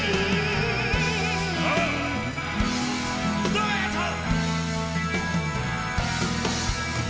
どうもありがとう！